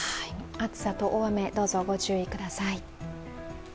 暑さと大雨、どうぞご注意ください。